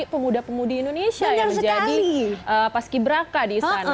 pemuda pemudi indonesia yang menjadi paskibra di istana